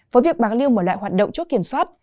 với việc bạc liêu mở lại hoạt động chốt kiểm soát